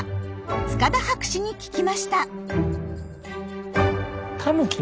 塚田博士に聞きました。